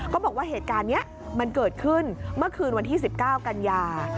บอกว่าเหตุการณ์นี้มันเกิดขึ้นเมื่อคืนวันที่๑๙กันยา